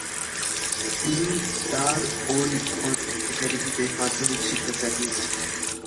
তিনি দার-ওল-ফনউন একাডেমিতে মাধ্যমিক শিক্ষা চালিয়ে যান।